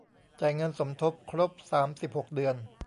จ่ายเงินสมทบครบ สามสิบหก เดือน